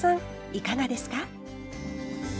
いかがですか？